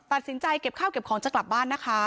ตัดสินใจเก็บข้าวเก็บของจากกลับบ้านนะคะ